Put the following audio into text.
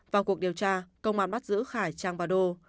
vào cuộc điều tra công an bắt giữ khải trang và đô